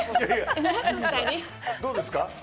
どうですか？